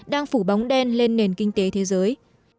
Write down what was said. đang phủ bóng đen lên nền kinh tế thế giới